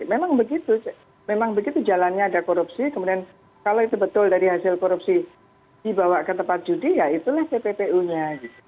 memang begitu memang begitu jalannya ada korupsi kemudian kalau itu betul dari hasil korupsi dibawa ke tempat judi ya itulah pppu nya